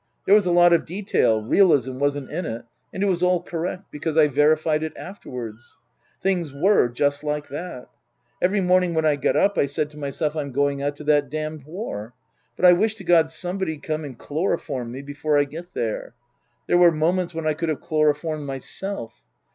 There was a lot of detail realism wasn't in it and it was all correct ; because I verified it afterwards. Things were just like that. Every morning when I got up I said to myself I'm going out to that damned war, but I wish to God somebody'd come and chloroform me before I get there. There were moments when I could have chloroformed myself.